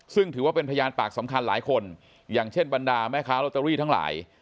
ซึ่งถือว่าเป็นพยานปากสำคัญหลายคนอย่างเช่นบรรดาแม่ค้าโรตเตอรี่ทั้งหลาย